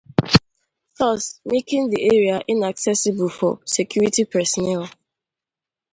thus making the area inaccessible for security personnel.